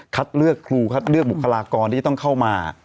เลือกครูคัดเลือกบุคลากรที่จะต้องเข้ามา